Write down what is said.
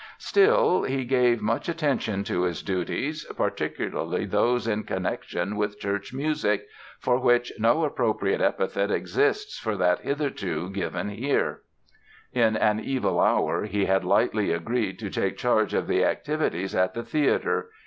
Still, he gave much attention to his duties, particularly those in connection with church music "for which no appropriate epithet exists for that hitherto given here". In an evil hour he had lightly agreed to take charge of the activities at the theatre.